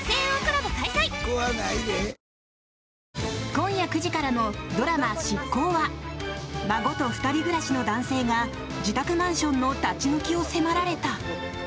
今夜９時からのドラマ「シッコウ！！」は孫と２人暮らしの男性が自宅マンションの立ち退きを迫られた。